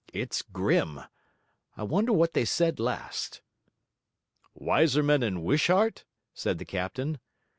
It's grim. I wonder what they said last?' 'Wiseman and Wishart?' said the captain.